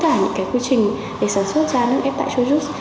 tất cả những cái quy trình để sản xuất ra nước ép tại chujuis